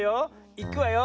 いくわよ。